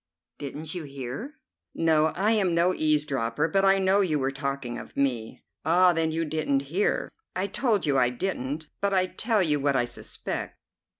"Didn't you hear?" "No. I am no eavesdropper, but I know you were talking of me." "Ah, then you didn't hear." "I told you I didn't, but I tell you what I suspect."